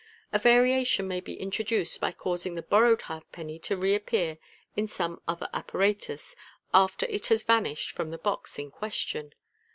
A variation may be introduced by causing the borrowed halfpenny to re appear in some other apparatus, after it has vanished .rum \\~t box in question.